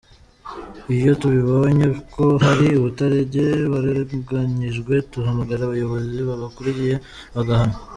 Iyo tubibonye ko hari abaturage barenganyijwe duhamagara abayobozi babakuriye bagahanwa”.